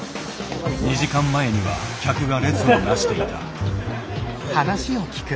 ２時間前には客が列をなしていた。